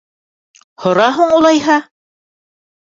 — Һора һуң, улайһа.